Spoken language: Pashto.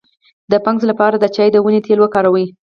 د فنګس لپاره د چای د ونې تېل وکاروئ